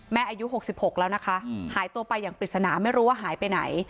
อายุ๖๖แล้วนะคะหายตัวไปอย่างปริศนาไม่รู้ว่าหายไปไหน